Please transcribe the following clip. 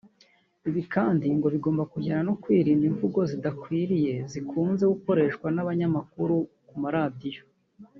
Ibi kandi ngo bigomba kujyana no kwirinda imvugo zidakwiriye zikunze gukoreshwa n’abanyamakuru ku maradiyo